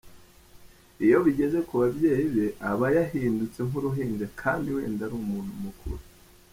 Iyo bigeze ku babyeyi be aba yahindutse nk’uruhinja kandi wenda ari umuntu mukuru.